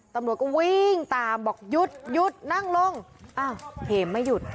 ตำรวจก็วิ่งตามบอกหยุดหยุดนั่งลงอ้าวเหมไม่หยุด